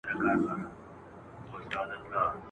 په پلمه یې د مرګ دام ته را وستلی !.